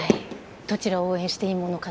どちらを応援したらいいものか。